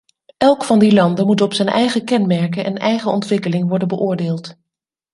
Elk van die landen moet op zijn eigen kenmerken en eigen ontwikkeling worden beoordeeld.